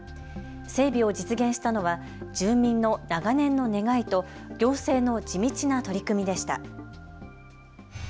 整備を実現したのは住民の長年の願いと行政の地道な取り組みでした。